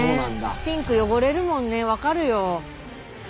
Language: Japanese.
シンク汚れるもんね分かるよ。